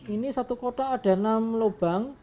ini satu kota ada enam lubang